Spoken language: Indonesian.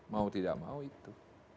mau tidak mau itu